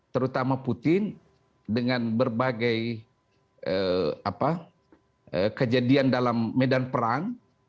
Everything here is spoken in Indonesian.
terutama putin dengan berbagai kejadian dalam medan perang